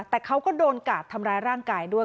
แต่เขาก็โดนกาดทำร้ายร่างกายด้วย